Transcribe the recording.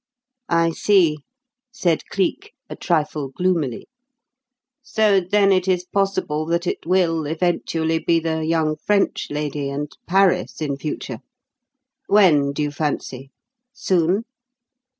"I see," said Cleek, a trifle gloomily. "So then it is possible that it will, eventually, be the young French lady and Paris, in future. When, do you fancy? Soon?"